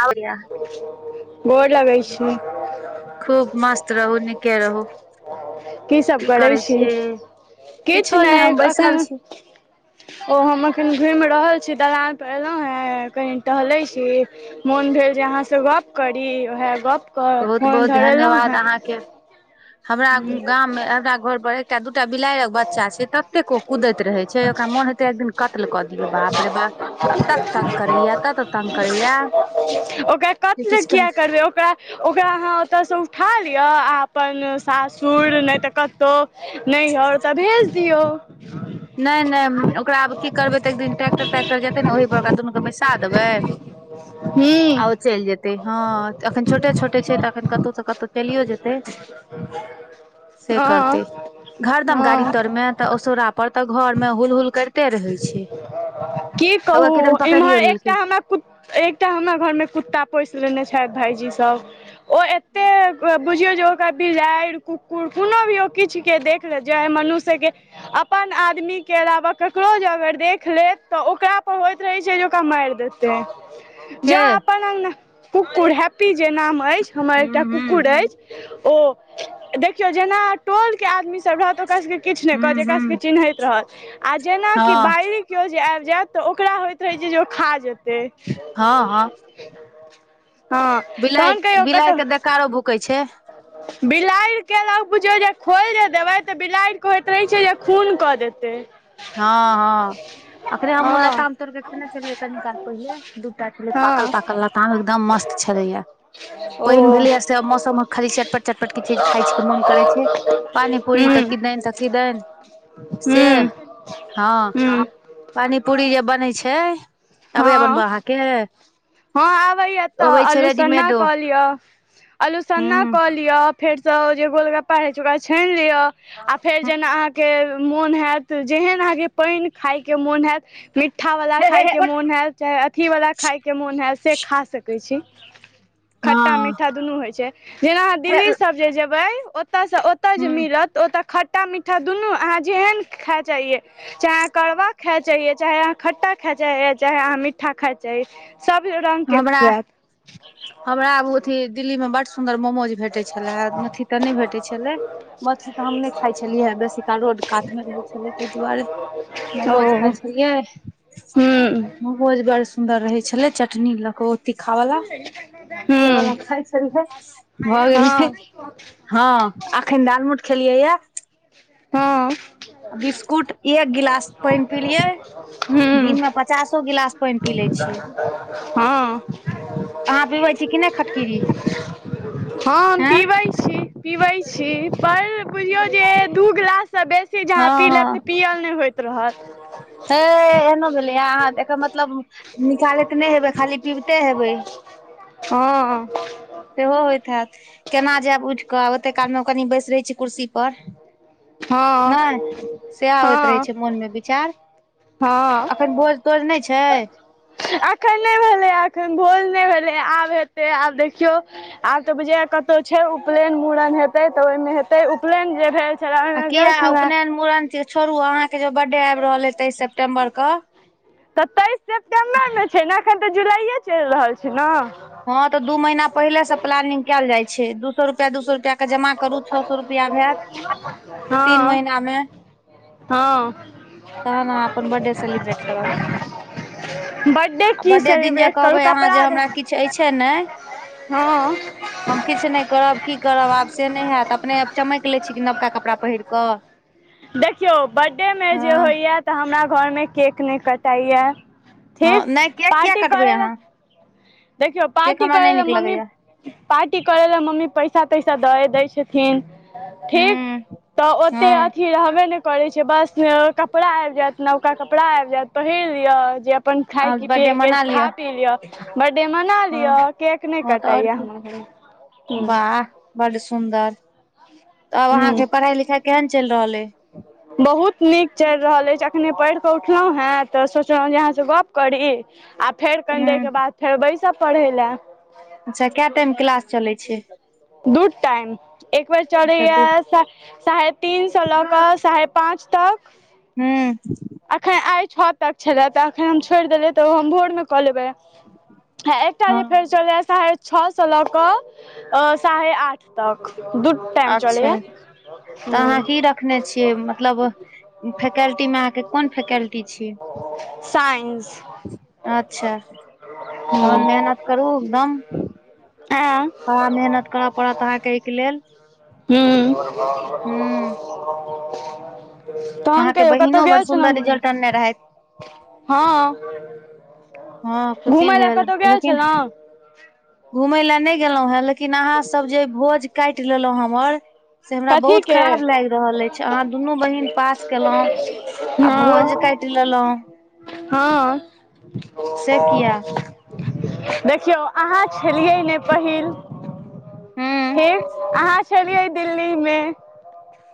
आबैय अहाँके गोर लगे छी खूब मस्त रहू नीके रहू। कि सभ की करै छी छियै किछु किछो नहि हम बैसल एखन छी ओ हम अखन घुमि रहल छी दलान परे एलहु हे कनी टहले छी मोन भेल जे अहाँ स गप्प करी उएह गप्प कर बहुत फोन बहुत धरेलहुँ धन्यवाद हे अहाँके हमरा गामबमे आधा घर प एकटा दूटा बिलाड़ि के बच्चा छै तते ओ कुदैत रहे छै ओकरा मन हेते एक दिन कतल कऽ दे करैया तत तंग करैया [unintelligible] ओकरा जे कत लऽ किछु कह किया करबै ओकरा ओकरा अहाँ ओतयसँ उठा लिआ अपन सासुर नहि तऽ कतहु नहियार तऽ भेज दियौ नहि नहि ओकरा आब कि करबै तऽ एक दिन ट्रैक्टर तटैक्टर जेतै ने ओहहि पर ओकरा दुनू के बैसा देबै [unintelligible] आ ओ चलि जेतै ह एखन छोटे छोटे छै तऽ अखन कतहु से कतहु चलियो जेतै से करतै हा हरदम गाड़ी तर मे तऽ असोरा पर तऽ घर मे हल हल कर के रहे छै की हआ कहू किदन पकड़ियो इम्हर एकटा लेलकिन हमरा एकटा हमरा घरमे कुत्ता पोसि लेने छथि भायजी सभ ओ एतेक बुझियौ जे ओकरा बारि कुकुर कोनो भी ओ किछु के देख ले जऽ मनुष्य के अपन आदमी के अलावा ककरो जे अगर देख लेत तऽ ओकरा पर होइत रहै छै जे ओकरा मारि देते के जो अपन अग कुक्कुर हैप्पी जे नाम अछि हमर हूं एकटा हूं कुकुर अछि औ देखियो जेना टोल के आदमी सभ रहत ओकरा सभके किछु नहि कह हूं जेकरा हूं सभके चिन्हैत रहत आ जेनाकि हँ बास केओ जे आबि जायत तऽ ओकरा होइत रहै छै जे ओ खा जेते हँ हँ ह बिलाइ तोहन कहियौ बिलाइ कतहु के देकारो भूकै छै बिलाड़ि केलक बुझियौ जे खोल जे देबै तऽ बिलाड़ि के होइत रहे छै जे खून कऽ देते ह ह अखरे हमहुँ हँ लताम तोड़ के केने छलियै कऽ काल पहिले दूटा छलै पाकल हँ पाकल लताम एकदम मस्त छलैया। ओ पानि भेलै हा सभ मौसम मे खाली चटपट चटपट की चीज खाई छी के मन करै छै पानीपूरी हूँ तऽ किदन तऽ किदन से हूँ ह हूँ पानी पूरी जे बनै छै अबय बनब अहाँकेँ ह आबैय तऽ आलोचना रेडीमेडो कऽ लिअ हूं आलूसन्ना कऽ हूं लिआ फेर से जे गोलगप्पा रहय छै ओकरा छान लिआ आ फेर जेना अहाँ के मोन होयत जेहन अहाँकेँ पानि खाय के मोन होयत मिठा वाला हे हे खायके हे के बट मोन हयल चाहे अथि वाला खायके मोन हय से खा सकै छी खट्टा हँ मीठा दुनू होइत छै जेना अहाँ हे दिल्लीसभ जे जेबै ओतयसँ ओतय जे हूं मिलत ओत खट्टा मीठा दुनू अहाँ जेहन खाए चाहिये चाहे अहाँ करवा खाई चाहिए चाहे अहाँ खट्टा खाई चाहिए चाहे अहाँ मीठ्ठा खाई चाहिए सभ रंगके हमरा खुआयत हमरा आब अथी दिल्ली मे बड़ सुंन्दर मोमोज भेटै छले अथी तऽ नहि भेटै छलै मछली तऽ हम नहि खाय छलियै बेसी काल रोड कात मे रहे छले ताहि दुआरे मोमोज ओ खाई छल सि हूँ महोज बड़ सुन्दर रहै छलै चटनी लऽ क ओ तीखा वाला हू [unintelligible] भऽ गेलै हँ ह अखन दालमोट खेलियै यऽ हँ आ बिस्कुट एक गिलास पानि पिलिये हूँ दिन मे पचासो गिलास पानि पी ले छियै ह अहाँ पिबै छी कि नहि खटकिरी आइ पिबै छी पर बुझियौ जे दू गिलाससँ बेसी जहा हँ पी लेब तऽ पियल नहि होयत रहत। हा ई एहनो भेलैए अहाँ एकर मतलब निकालैत नहि हेबै खाली पीबते हेबे ह सेहो होइत हैत केना जायब ऊइथ कऽ ओते काल मे कनि बैसि कुर्सी पर हँ नहि सहै होयत हँ रहै छै मन मे विचार हँ अखन भोज तोज नहि छै अखन नहि भेलै एखन भोज नहि भेलै आब हेते आब देखियौ आब तऽ बुझै ये कतहु छै उपनयन मुड़न हेते तऽ ओहि मे हेते उपनयन जे रहे आ किया उपनयन मुड़न के छोड़ू अहाँकेँ जे बर्थडे आबि रहल अय तेइस सेप्टे्म्बर के तऽ तेइस सेप्टेम्बरमे छै ने एखन तऽ जुलाइए चलि रहल छै न ह तऽ दू महीना पहिले से प्लानिंग कएल जाई छै दू सए रुपआ दू सए रुपआ के जमा करू छओ सए रुपआ हयत तीन महिना मे ह तहन अहाँ अपन बर्थडे सेलिब्रेट करब बर्डे कि सेलिब्रेट करू कपरा द अय छै नहि हम किछु नहि करब कि करब आब से नहि होयत अपने चमैक लै छी कि नवका कपड़ा पहिर क देखियौ बर्थडे मे जे हँ होइया तऽ हमरा घर मे केकऽ नहि कटाइया ठीक हँ नहि केक किया पार्टी कटबै करै लऽ अहाँ देखियौ केक पार्टी हमरा करै नहि लऽ नीक मम्मी लगैया पार्टी करै लए मम्मी पैसा तैसा दये दै छथिन ठीक हूँ तऽ ओते हँ अथी रहबे न करै छै वस्त्र मे कपड़ा आबि जायत नबका कपड़ा आबि जायत पहिर लिआ जे अपन खाय अहाँ के बर्थडे पियए के मना छै खा लिअ पी लिआ बर्डे मना लिअ हँ केक नहि हँ कटैया हमरा घर मे आह बड सुन्दर तब अहाँ के हूँ पढ़ाई लिखाई केहन चैल रहल अय बहुत निक चैल रहल ऐछ एखने पढ़िकऽ उठलहुँ हँ तऽ सोचलो जे अहाँ सँ गप्प करी आ फेर कनि देरके हूँ बाद फेर बैसब पढ़ै लए अच्छा के टाइम क्लास चलै छै दू टाइम एक बेर अच्छा चलैया दू साढ़े तीन स लऽ कऽ साढ़े पाँच तक हूँ एखन आइ छओ तक छलए तऽ एखन हम छोड़ देलियै तऽ ओ हम भोर मे कऽ लेबै आ एकटा जे फेर हँ छलै या साढ़े छओसँ लऽ कऽ। साढ़े आठ तक दू टाइम चल अच्छा य तऽ अहाँ की रखने छियै मतलब फैकल्टी में अहाँ के कोन फैकल्टी छी सइन्स अच्छा [inaudible] तहन मेहनत करू एकदम एन् [unintelligible] ह मेहनत क [inaudible] हु हूँ [inaudible] तहन अहाँके कहियौ कतहु बहिनो बड़ गेल छलो सुन्दर रिजल्ट अनने रहथि हँ हँ [inaudible] खुशी घुमय लए कतहु गेल छलो घुमय लए नय गेलो हेँ लेकिन अहाँ सभ जे भोज काटि लेलहुँ हमर से हमरा कथी बहुत के खराब लैग रहल ऐछ अहाँ दुनू बहिन पास केलहुं आ भोज का हँ कट ललो [inaudible] हँ से किया [inaudible] देखियौ अहाँ छलियै ने पहिल [inaudible] हूँ ठीक अहाँ छलियै दिल्ली मे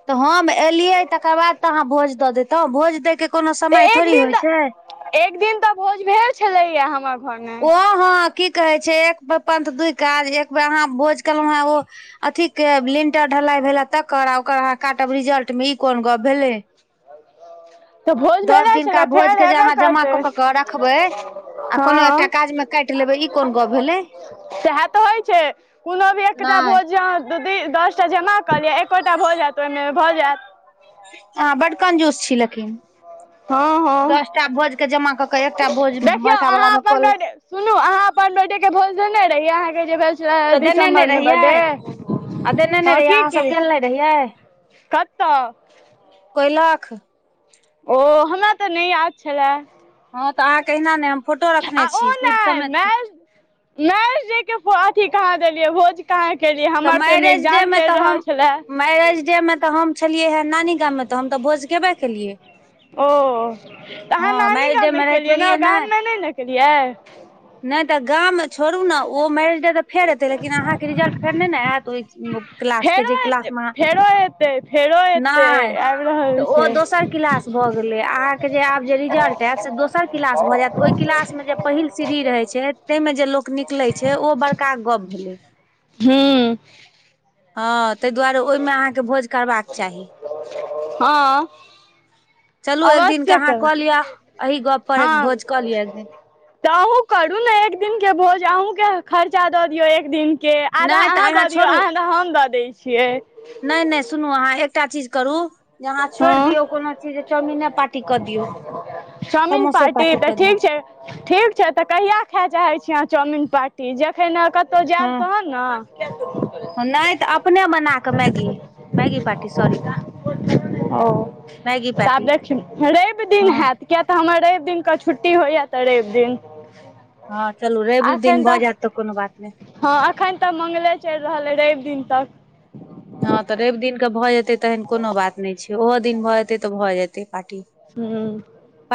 तऽ हम एलियै तकर बाद तऽ अहाँ भोज दऽ देैतो भोज दयके कोनो तऽ समय एक थोड़ी दिन होइत छै तऽ एक दिन तऽ भोज भेल छलैया हमर घरमे ओ हॅ की कहे छै एक पन्थ दु काज एक बेर अहाँ भोज केलो हें ओ अथ के लिल्टर ढलाई भेले तकर आ ओकर अह काटब रिजल्ट मे ई कोन गप्प भेले तऽ भोज भेले छलै दिनका भोज फेर के जे हेबे अहाँ जमा करतै कऽ कऽ के रखबै आ कोनो हँ एकटा काज मे काटि लेबै ई कोन गप भेलै सएह तऽ होइ छै कोनो भी एकटा नहि भोज य दू दस टा जमा कऽ लिअ एकोटा भऽ जायत ओइ मे भऽ जायत अहाँ बड कंजूस छी लेकिन हँ हँ दसटा भोज के जमा कऽ के एकटा भोज देखियौ बड़का वाला अहाँ मे कऽ अपन ले बर्थडे सुनू अहाँ अपन बैटे के भोज देने रहिय अहाँ के जे भेल तऽ [inaudible] देने ने दिसम्बर मे रहियै बर्थडे आ देने ने हँ रहियै की अहाँ सब की गेल ने रहियै कतओ कयलाख ओ हमरा तऽ नय याद छलए हँ तऽ अहाँके अहिना नय हम फोटो रखने छी सुध समेत नर्स जी के अथी कहाँ देलियै भोज कहाँ केलियै तऽ हमर ओहिमे मैरेज डे एग्जाम मे चलि तऽ रहल हम छलए मैरेज डे मे तऽ हम छलियै हे नानी गाममे तऽ हम तऽ भोज केबै केलियै ओ तऽ अहाँ हँ नानी मैरेज गाम डे मे राति केलियै ने रहियै गाम मे नय ने केलियै नय तऽ गाम मे छोड़ू ने ओ मरिजतै तऽ फेर हेतै लेकिन अहाँके रिजल्ट फेर नय नय एत [unintelligible] क्लास के फेरो जे क्लास एतै मे फेरो एतै फेरो एतै नय आबि रहल त ओ छै दोसर क्लास भऽ गेल अहाँके जे आब जे रिजल्ट आयत से दोसर क्लास भऽ जायत ओहि क्लास मे जे पहिल सीढ़ी रहै छै ताहिमें जे लोक निकले छै ओ बड़का गप भेलै। हू। हँ ताहि दुआरे ओहि मे अहाँ के भोज करबाक चाही। हँ। चलू एक दिनके आवश्यक अहाँ कऽ लिअ एहि गप पर एक हँ। भोज कऽ लिअ एक दिन तऽ अहूँ करू ने एक दिन के भोज अहूँके खर्चा दऽ दियौ एक दिन के आधा नहि अहाँ तऽ दऽ दियौ अहाँ त हम दऽ दै छियै। नय नय सुनू अहाँ एकटा चीज करू जे अहाँ छोड़ि हँ दियौ कोनो चीज चाउमिने पार्टी कऽ दियौ चमिन समोसे पार्टी तऽ कऽ दियौ ठीक छै ठीक छै तऽ कहिया खाय चाहैत छी अहाँ चाउमिनन पार्टी जखन कतहु जायब तहन न [inaudible] नय तऽ अपने बना कऽ मैगी मैगी पार्टी सॉरी ओ मैगी तऽ आब पार्टी देखियौ रवि दिन हँ हैत किये तऽ हमर रवि दिन के छुट्टी होइये तऽ रवि दिन हँ चलू रवि दिन भऽ जायत तऽ कोनो बात नय हँ अखन तऽ मंगले चलि रहल अइ रवि दिन तक। हँ तऽ रवि दिनके भऽ जेतै तहन कोनो बात नय छै ओहो दिन भऽ जेतै तऽ भऽ जेतै पार्टी। हूँ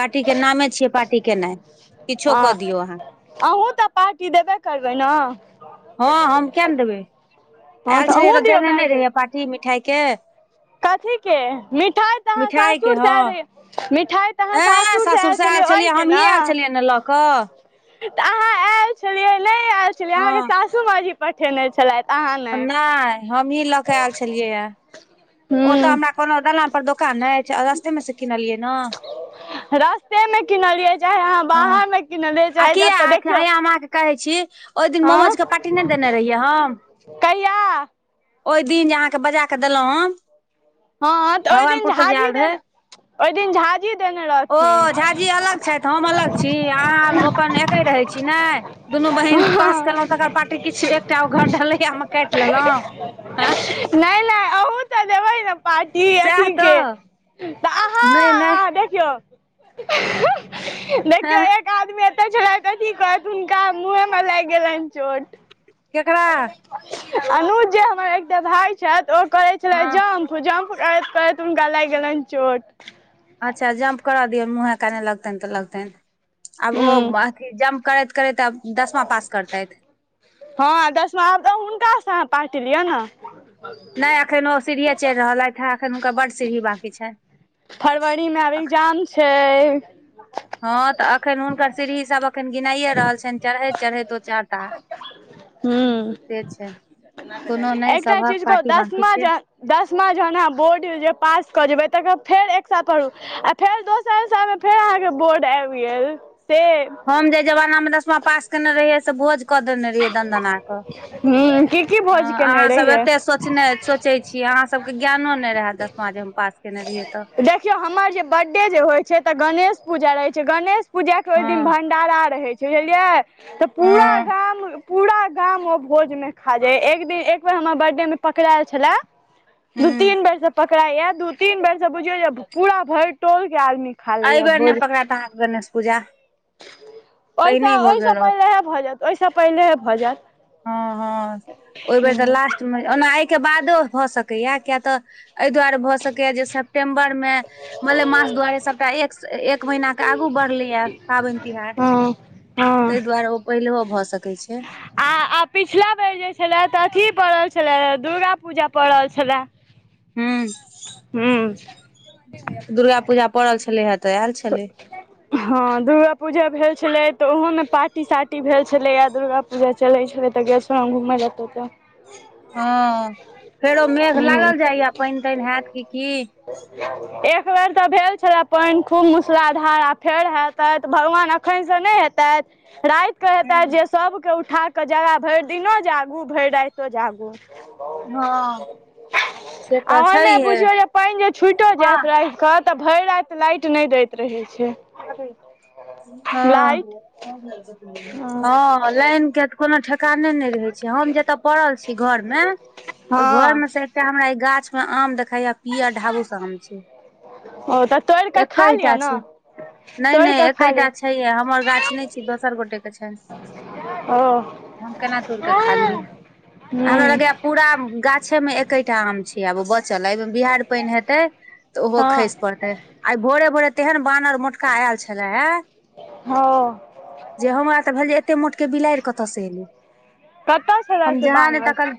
पार्टीक नामे छियै पार्टी केनाइ किछो हँ कऽ दियौ अहाँ। अहूँ तऽ पार्टी देबे करबै ने। हँ हम क नय देबै हँ आयल छलियै अहूँ तऽ दियौ देने मारि नय रहिै पार्टी मिठाइ के। कथी के मिठाय तँ अहाँ मिठाई के सासुर से ऐल हँ रहे मिठाय तँ अहाँ सासुर से एल साग छलियै हमही आर छलियै न लऽ कऽ तऽ अहाँ आयल छलियै नय आयल छलै अहाँके हँ सासू माँजी पठेने छलथि अहाँ नहि नय हमहीं लऽ के आयल छलियै ये ओ तऽ हमरा हूँ कोनो दालान पर दोकान अछि रस्तेमे से किनलियै ने से मे किनलियै चाहे अहाँ हँ बाहर मे किनलियै आ चाहे किया जतऽ देखियौ हया हम अहाँके कहै छी ओहि दिन मोमज के हँ पार्टी नय देने रहियै हम कहिया ओहि दिन जे अहाँके बजा कऽ देलहुँं हें हँ तऽ ओहि दिन झाजी देने रहै ओहि दिन झाजी देने रहथिन्ह अच्छऽ त हम अलग छी अहाँ हम अपन एके रहै छी ने दुनू बहीन पास केलहुँ तकर पार्टी किछु एकटा ओ घर ढलैया मे काटि लेलहुँ [unintelligible] नय नय अहू तऽ देबै ने पा टी सएह अथी के तऽ तऽ अहाँ नहि नहि अहाँ देखियौ [unintelligible] देखियौ हँ ए क आदमी एते छलथि तँ की कहत हुनका मुँहे मे लागि गेलनि चोट केकरा अनुज जे हमर एकटा भााय छथि ओ करै छलय हँ जम्प ओ जम्प करैत करैत हुनका लागि गेलनि चोट अच्छ जम्प करऽ दियौ मुँहे कान मे लगतेन तऽ लगतेन आब ओ हूँ अथी जम्प करैत करैत आब दसमा पास करतैथ हँ दसमा आब त हुनका सँ अहाँ पार्टी लियऽ ने नय अखन ओ सीढ़ीये चढ़ि रहलथि हें एखन हुनका बड सीढ़ी बांकी छैन्ह फरवरी मे आब एग्जाम छैय हँ तऽ एखन हुनकर सीरही सभ एखन गिनाइये रहल छन्हि चरहैत चरहैत ओ चढ़ता हूँ से छैय कोनो नय एकटा सबहक चीज कहू पाटी बांकी दसमा छैय ज दसमा जहन अहाँ बोर्ड मे जे पास कऽ जेबै तकर फेर एक साल पढ आ फेर दोसर साल मे फेर अहाँके बोर्ड आइब गेल से हम जै जवाना मे दसमा पास केने रहियै से भोज कऽ देने रहियै दनदना कऽ [inaudible] ह अहाँ सभ रहियै एते सोचने सोचै छियै अहाँ सभके ज्ञानो नय रहय दसमा जे हम पास केने रहियै तऽ देखियौ हमर जे बर्डे जे होइ छैय तऽ गणेश पूजा रहै छैय गणेश पूजाके ओह दिन हँ भण डारा रहय छैय बुझलियै तऽ पूरा हँ गाम पूरा गाम ओ भोज मे खा जाय एक दिन एक बेर हमर बर्डे मे पकड़ायल छलय दू हूँ तीन बेर से पकड़ाय ये दू तीन बेरसँ बुझियौ जे पूरा भेर टोलके आदमी खा लैए अहिबेर नय भोज पकड़ायत अहाँके गणेश पूजा ओहिसँ पहिने भऽ ओह सँ गेल रहत पहिले हे भऽ जायत ओह सँ पहिले भऽ जायत हँ हँ ओहि बेर तऽ हँ लास्टमे ओना एहि के बादो भऽ सकैये किये तऽ एहि दुआरे भए सक ह जे सेप्टेम्बर में मले मास दुआरे सब एक महिना के आगू बढ़लैए पाबैन तिहार हूँ तेइ दु्वारा पहिलहो भऽ सकैत छै आ आ पिछला बेर जे छलय तऽ अथी पड़ल छलय दुर्गा पूजा पड़ल छलय हूँ दुर्गा पूजा पड़ल छलै हे तऽ आयल छलय हँ दुर्गा पूजा भेल छलै तऽ ओहो मे पार्टी सार्टी भेल छलैय ये दुर्गा पूजे चलै छलै तऽ [inaudible] हँ फेरो मेघ लागल हूँ जायये पैन तैन हैत कि की [inaudible] एक बेर तऽ भेल छलय पैन खूब मूसलाधार आ फेर हेतेथ भगवान एखनसँ नय हेतेथ राति क हेता है जे सभके उठा क के जगह भेर दिनो जागू भेर राइतो जागू हँ से आ तऽ ओइमे छैहे बुझियौ जे पाइन जे छुटो माँ जायइत र तऽ भेर रात लाइट नय दैत रहै छै हँ लाइट [inaudible] हँ लाइनक के तऽ कोनो ठेकाने नय रहै छै हम जतय पड़ल छी घरमे हँ रर् मे से एकटा हमरा ई गाछ मे आम देखाया पियर ढाबूसा आम छै ओ तऽ तोड़ि कऽ खा लिअ एकैटा ने छै नय तोड़ि नय कऽ खा एकेटा लिअ छैहे हमर गाछ नय छी दोसर गोटेके छै ओ हम केना दूड़ कऽ खा लिय हूँ हमरा लगेय पूरा गाछे में एकेटा आम छै आब ब चल एहिमे बिहाड़ पानि हेते तऽ ओहो हँ खसि पड़ते आ भोरे भोरे तेहन बान आर मोट का आल छलै या हँ जे हमरा तऽ भेल जे एते मोट केँ बिराइर कतऽ स ऐलै कत छलै से बानर तकल